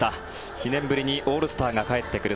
２年ぶりにオールスターが帰ってくる。